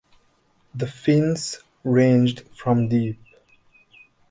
The "fins" ranged from deep.